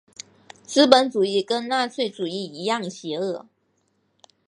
资本主义跟纳粹主义一样邪恶。